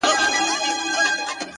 هره ورځ د نوې پیل دروازه ده